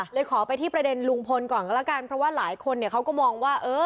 เลยขอไปที่ประเด็นลุงพลก่อนก็แล้วกันเพราะว่าหลายคนเขาก็มองว่า